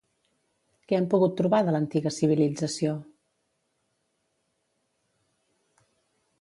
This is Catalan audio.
Què han pogut trobar de l'antiga civilització?